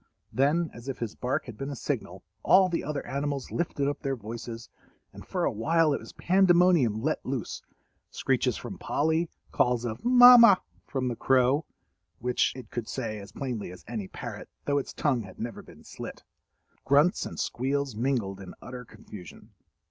Then, as if his bark had been a signal, all the other animals lifted up their voices, and for a while it was pandemonium let loose—screeches from Polly, calls of "Mamma" from the crow (which it could say as plainly as any parrot, though its tongue had never been slit), grunts and squeals mingled in utter confusion.